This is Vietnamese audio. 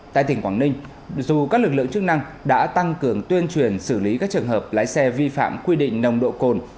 tại tỉnh quảng ninh dù các lực lượng chức năng đã tăng cường tuyên truyền xử lý các trường hợp lái xe vi phạm quy định nồng độ cồn